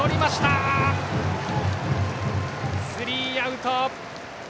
スリーアウト！